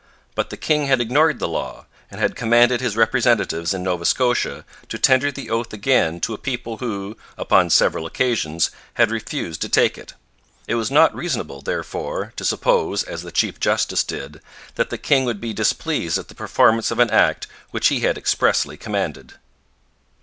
But the king had ignored the law, and had commanded his representatives in Nova Scotia to tender the oath again to a people who, upon several occasions, had refused to take it. It was not reasonable, therefore, to suppose, as the chief justice did, that the king would be displeased at the performance of an act which he had expressly commanded.